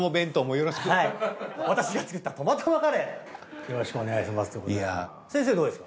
よろしくお願いします。